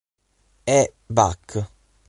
E. Bach.